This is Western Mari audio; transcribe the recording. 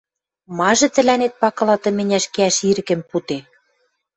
Мажы тӹлӓнет пакыла тыменяш кеӓш ирӹкӹм пуде?